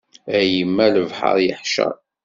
A yemma lebḥer yeḥcer.